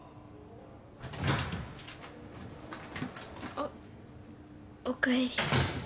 ・おっおかえり。